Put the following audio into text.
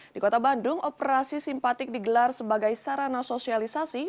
di kota bandung operasi simpatik digelar sebagai sarana sosialisasi